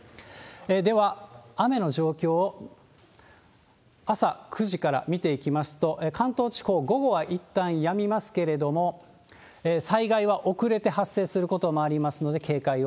では、雨の状況を朝９時から見ていきますと、関東地方、午後はいったんやみますけれども、災害は遅れて発生することもありますので、警戒を。